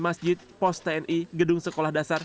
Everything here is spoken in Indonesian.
masjid pos tni gedung sekolah dasar